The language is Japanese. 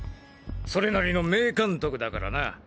それなりの名監督だからな。